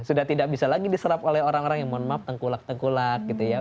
sudah tidak bisa lagi diserap oleh orang orang yang mohon maaf tengkulak tengkulak gitu ya